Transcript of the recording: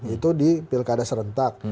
itu di pilkada serentak